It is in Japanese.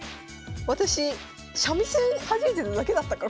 私三味線はじいてただけだったか？